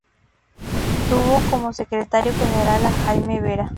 Tuvo como secretario general a Jaime Vera.